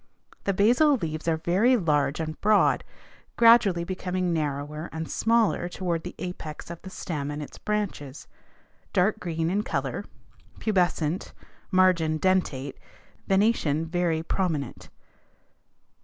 The basal leaves are very large and broad, gradually becoming narrower and smaller toward the apex of the stem and its branches, dark green in color, pubescent, margin dentate, venation very prominent.